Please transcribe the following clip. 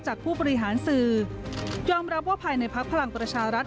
ผู้บริหารสื่อยอมรับว่าภายในพักพลังประชารัฐ